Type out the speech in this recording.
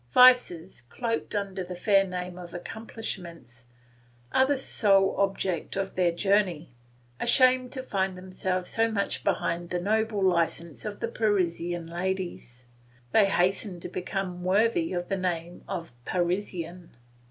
Vices, cloaked under the fair name of accomplishments, are the sole object of their journey; ashamed to find themselves so much behind the noble licence of the Parisian ladies, they hasten to become worthy of the name of Parisian.